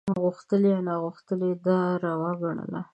غوښتلي یا ناغوښتلي یې دا روا ګڼله.